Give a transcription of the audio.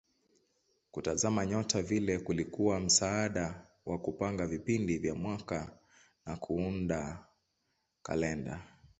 Kutazama nyota vile kulikuwa msaada wa kupanga vipindi vya mwaka na kuunda kalenda.